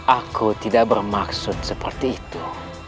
aku tidak bermaksud seperti itu